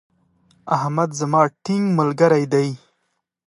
احمد زما ټينګ ملګری دی.